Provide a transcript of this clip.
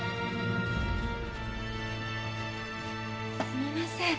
すみません。